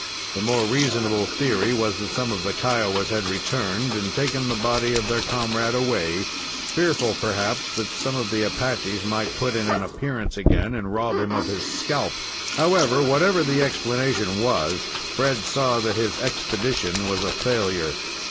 The more reasonable theory was that some of the Kiowas had returned and taken the body of their comrade away, fearful, perhaps, that some of the Apaches might put in an appearance again and rob him of his scalp. However, whatever the explanation was, Fred saw that his expedition was a failure.